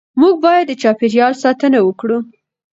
موږ باید د چاپېریال ساتنه وکړو